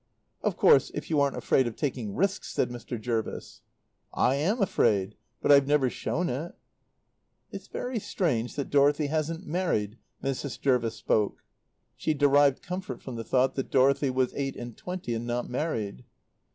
"Of course, if you aren't afraid of taking risks," said Mr. Jervis. "I am afraid. But I've never shown it." "It's very strange that Dorothy hasn't married." Mrs. Jervis spoke. She derived comfort from the thought that Dorothy was eight and twenty and not married.